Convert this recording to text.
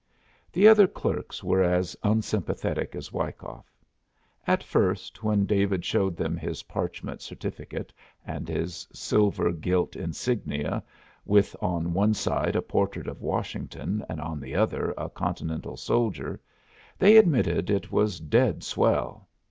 The other clerks were as unsympathetic as Wyckoff. At first when David showed them his parchment certificate, and his silver gilt insignia with on one side a portrait of Washington, and on the other a Continental soldier, they admitted it was dead swell.